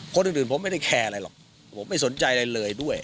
คนอื่นผมไม่ได้แคร์อะไรหรอกผมไม่สนใจอะไรเลยด้วย